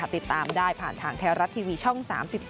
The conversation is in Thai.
ติดตามได้ผ่านทางไทยรัฐทีวีช่อง๓๒